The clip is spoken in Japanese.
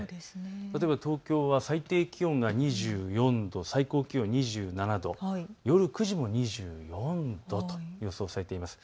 例えば東京は最低気温が２４度、最高気温２７度、夜９時も２４度と予想されています。